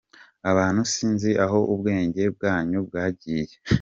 Abantu sinzi aho ubwenge bwanyu bwagiye.